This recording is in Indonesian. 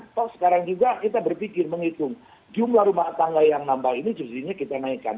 atau sekarang juga kita berpikir menghitung jumlah rumah tangga yang nambah ini subsidinya kita naikkan